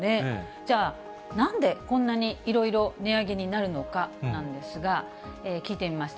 じゃあ、なんでこんなにいろいろ値上げになるのかなんですが、聞いてみました。